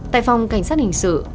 tại phòng cảnh sát hình sự